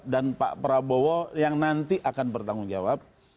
dan pak prabowo yang nanti akan bertanggung jawab